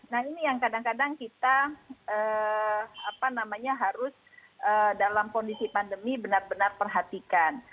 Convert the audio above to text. nah ini yang kadang kadang kita harus dalam kondisi pandemi benar benar perhatikan